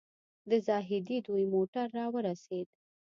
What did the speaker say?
د زاهدي دوی موټر راورسېد.